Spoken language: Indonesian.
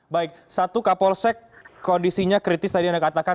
baik satu kapolsek kondisinya kritis tadi anda katakan